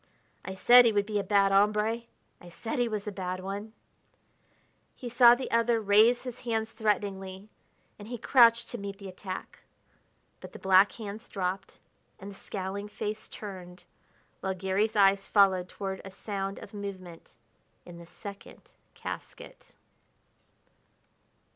I said he would be a bad hombre; I said he was a bad one " He saw the other raise his hands threateningly, and he crouched to meet the attack. But the black hands dropped, and the scowling face turned, while Garry's eyes followed toward a sound of movement in the second casket.